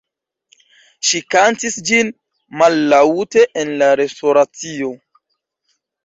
Ŝi kantis ĝin mallaŭte en la restoracio.